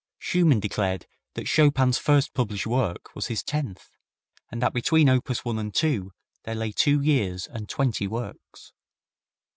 Schumann declared that Chopin's first published work was his tenth, and that between op. 1 and 2 there lay two years and twenty works.